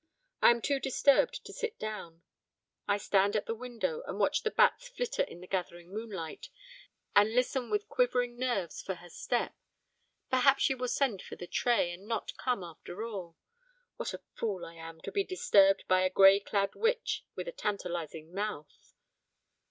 I am too disturbed to sit down; I stand at the window and watch the bats flitter in the gathering moonlight, and listen with quivering nerves for her step perhaps she will send for the tray, and not come after all. What a fool I am to be disturbed by a grey clad witch with a tantalizing mouth!